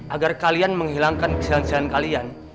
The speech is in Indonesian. agar kalian menghilangkan keselan selan kalian